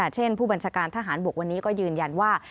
เช่นผู้บัญชาการทหารบกวันนี้ก็ยืนยันว่า